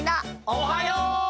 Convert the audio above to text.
おはよう！